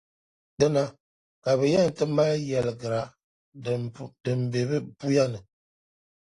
Dina ka bɛ yɛn ti mali nyεlgiri din be bɛ puya ni.